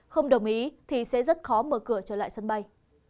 không đồng ý thì sẽ rất khó mở cửa trở lại sân bay